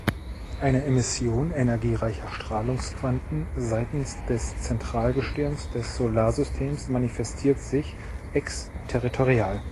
Eine Emission energiereicher Strahlungsquanten seitens des Zentralgestirns des Solarsystems manifestiert sich exterritorial.